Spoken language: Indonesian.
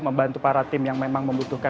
membantu para tim yang memang membutuhkan